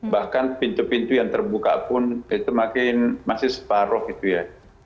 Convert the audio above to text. bahkan pintu pintu yang terbuka pun itu makin masih separoh gitu ya